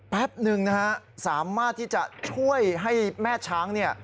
แป๊บหนึ่งสามารถที่จะช่วยให้แม่ช้าง